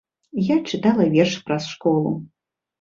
Я чытала верш пра школу.